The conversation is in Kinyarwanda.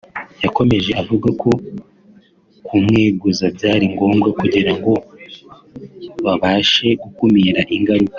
yakomeje avuga ko kumweguza byari ngombwa kugira ngo babashe gukumira ingaruka